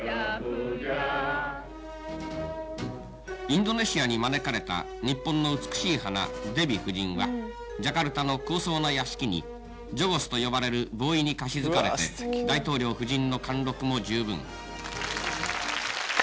インドネシアに招かれた日本の美しい花デヴィ夫人はジャカルタの広壮な屋敷にジョゴスと呼ばれるボーイにかしずかれて大統領夫人の貫禄も十分。